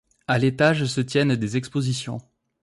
À l'étage se tiennent des expositions.